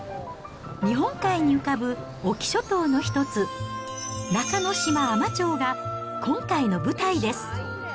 日本海に浮かぶ隠岐諸島の一つ、中ノ島海士町が今回の舞台です。